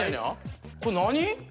これ何？